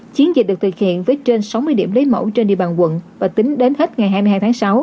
chiến dịch được thực hiện với trên sáu mươi điểm lấy mẫu trên địa bàn quận và tính đến hết ngày hai mươi hai tháng sáu